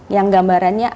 yang gambarannya ada